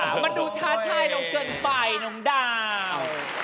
มันดูท้าทายเราเกินไปน้องดาว